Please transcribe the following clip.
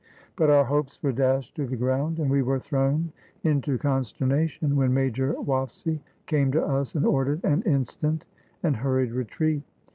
But our hopes were dashed to the ground, and we were thrown into consternation when Major Waffsy came to us and ordered an instant and hurried retreat.